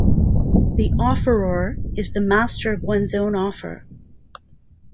The offeror is the master of one's own offer.